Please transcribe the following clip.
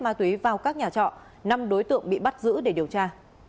ma túy vào các nhà trọ năm đối tượng bị bắt giữ để điều tra